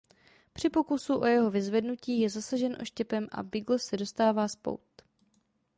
Při pokusu o jeho vyzvednutí je zasažen oštěpem a Biggles se dostává z pout.